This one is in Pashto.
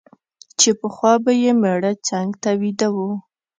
چي پخوا به یې مېړه څنګ ته ویده وو